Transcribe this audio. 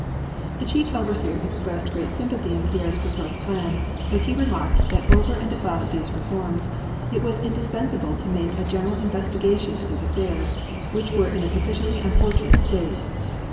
The chief overseer expressed great sympathy in Pierre's proposed plans ; but he remarked that over and above these reforms, it was indispensable to make a general investigation of his affairs, which were in a sufficiently unfortunate state.